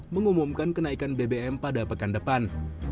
mengumumkan kenaikan bbm pada pekan depan